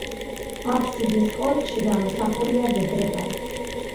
აფსიდის კონქში გამოსახულია ვედრება.